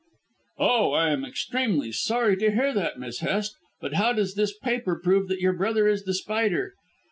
"Oh, I am extremely sorry to hear that, Miss Hest. But how does this paper prove that your brother is The Spider?"